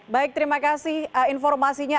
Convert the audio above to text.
baik terima kasih informasinya